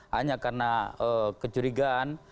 hanya karena kecurigaan